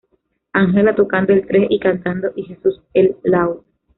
Ángela, tocando el tres y cantando, y Jesús, el laúd.